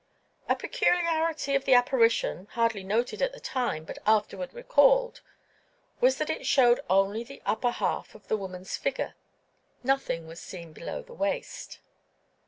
A peculiarity of the apparition, hardly noted at the time, but afterward recalled, was that it showed only the upper half of the woman's figure: nothing was seen below the waist.